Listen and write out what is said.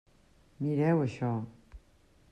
Mireu això!